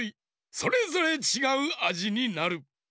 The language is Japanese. それぞれちがうあじになる。